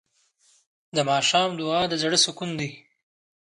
د ماښام دعا د زړه سکون دی.